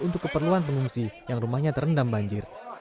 untuk keperluan pengungsi yang rumahnya terendam banjir